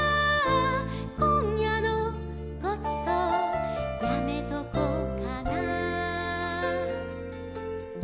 「今夜のごちそうやめとこうかな」